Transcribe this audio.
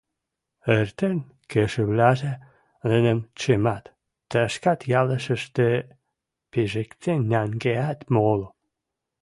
Эртен кешӹвлӓжӹ нӹнӹм чымат, ташкат, ялешӹштӹ пижӹктен нӓнгеӓт моло.